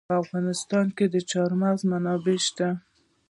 په افغانستان کې د چار مغز منابع شته.